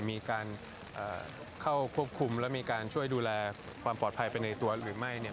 มีการเข้าควบคุมและมีการช่วยดูแลความปลอดภัยไปในตัวหรือไม่เนี่ย